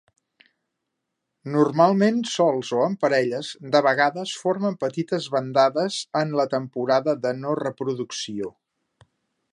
Normalment sols o en parelles, de vegades formen petites bandades en la temporada de no reproducció.